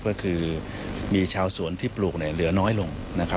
ก็คือมีชาวสวนที่ปลูกเนี่ยเหลือน้อยลงนะครับ